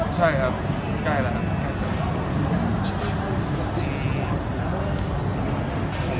ใช่ครับใกล้แล้วครับ